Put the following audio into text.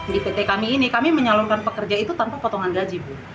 di pt kami ini kami menyalurkan pekerja itu tanpa potongan gaji